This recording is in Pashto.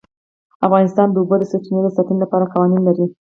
افغانستان د د اوبو سرچینې د ساتنې لپاره قوانین لري.